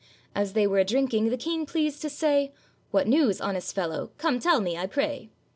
As they were a drinking the King pleased to say, 'What news, honest fellow? come tell me, I pray?